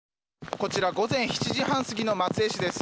こちら午前７時半過ぎの松江市です。